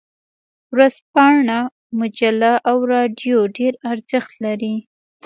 ورځپاڼه، مجله او رادیو ډیر ارزښت لري.